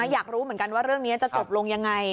อยากรู้เหมือนกันว่าเรื่องนี้จะจบลงยังไง